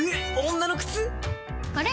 女の靴⁉あれ？